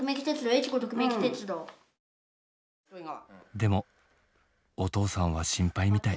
でもお父さんは心配みたい。